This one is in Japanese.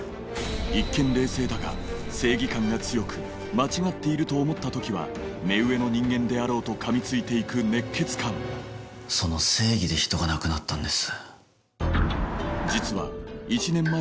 一見冷静だが正義感が強く間違っていると思った時は目上の人間であろうとかみついて行く熱血漢その正義で人が亡くなったんです。